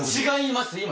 違います。